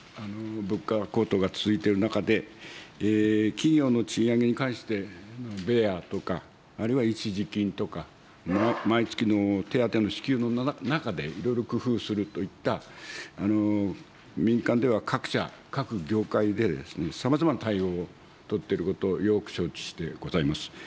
物価高騰が続いている中で、企業の賃上げに関して、ベアとか、あるいは一時金とか、毎月の手当ての支給の中で、いろいろ工夫するといった、民間では各社、各業界でさまざまな対応を取っていることをよく承知してございます。